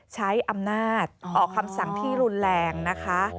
ใช้อำนาจออกคำสั่งที่รุนแรงนะคะ